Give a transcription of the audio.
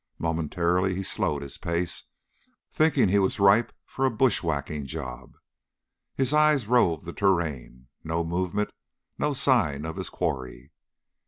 Momentarily, he slowed his pace, thinking he was ripe for a bushwhacking job. His eyes roved the terrain. No movement, no sign of his quarry.